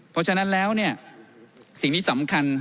เพราะฉะนั้นแล้วเนี่ยสิ่งที่สำคัญ